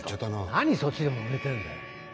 何そっちでもめてんだよ。